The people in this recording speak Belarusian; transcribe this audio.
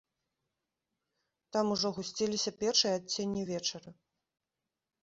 Там ужо гусціліся першыя адценні вечара.